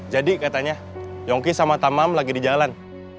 jadi katanya yongki sama tamam lagi di jalan